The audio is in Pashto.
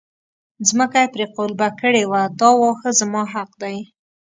ځمکه یې پرې قلبه کړې وه دا واښه زما حق دی.